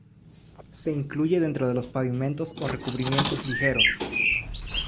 Se incluye dentro de los pavimentos o recubrimientos ligeros.